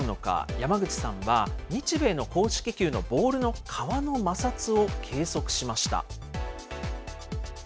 山口さんは、日米の公式球のボールの革の摩擦を計測しました。